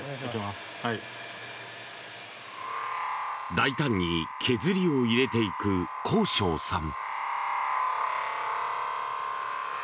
大胆に削りを入れていく幸昇さん。